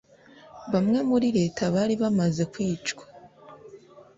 Bamwe muri Leta bari bamaze kwicwa